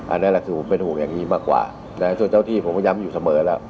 อันนี้แหละคือผมเป็นห่วงอย่างนี้มากกว่าส่วนเจ้าที่ผมก็ย้ำอยู่เสมอแล้ว